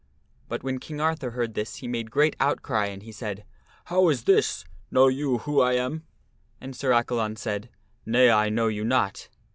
But when King Arthur heard this he made great outcry and he said, " How is this? Know you who I am?" And Sir Accalon said, "Nay, I know you not."